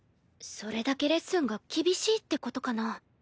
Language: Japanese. それだけレッスンが厳しいってことかな。